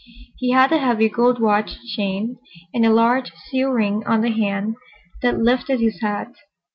He had a heavy gold watch chain and a large seal ring on the hand that lifted his hat.